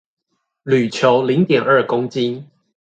鋁球零點二公斤